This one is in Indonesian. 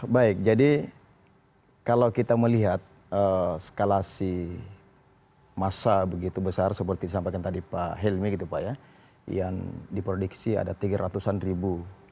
baik jadi kalau kita melihat skalasi masa begitu besar seperti yang sampaikan tadi pak helmy gitu pak ya yang diproduksi ada tiga ratusan ribu